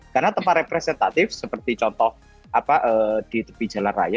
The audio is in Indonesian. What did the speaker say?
karena tempat representatif seperti contoh di tepi jalan raya